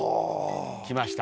きました。